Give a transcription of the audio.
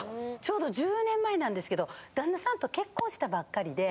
丁度１０年前なんですけど旦那さんと結婚したばっかりで。